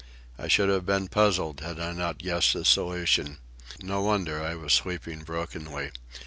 I should have been puzzled had I not guessed the solution. No wonder I was sleeping brokenly.